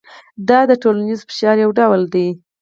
دا د ټولنیز فشار یو ډول دی.